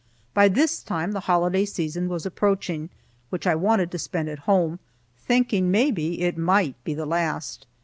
By this time the holiday season was approaching, which I wanted to spend at home, thinking, maybe, it might be the last.